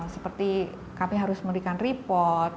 seperti kami harus memberikan report